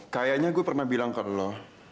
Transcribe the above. kayaknya gue pernah bilang ke allah